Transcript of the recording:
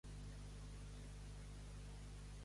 Tant com hom més desitja la mort, aitant més li dura la vida.